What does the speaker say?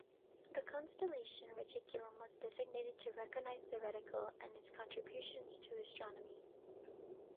The constellation Reticulum was designated to recognize the reticle and its contributions to astronomy.